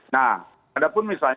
nah padahal misalnya